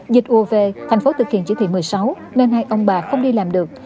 dịch uav thành phố thực hiện chỉ thị một mươi sáu nên hai ông bà không đi làm được